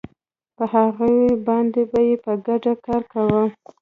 په هغوی باندې به یې په ګډه کار کاوه